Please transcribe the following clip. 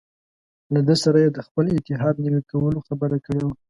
له ده سره یې د خپل اتحاد نوي کولو خبره کړې وه.